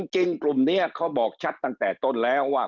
กลุ่มนี้เขาบอกชัดตั้งแต่ต้นแล้วว่า